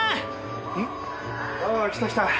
うん？ああ来た来た。